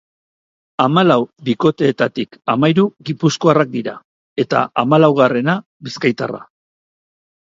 Hamalau bikoteetatik hamahiru gipuzkoarrak dira, eta hamalaugarrena, bizkaitarra.